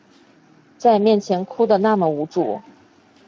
在面前哭的那么无助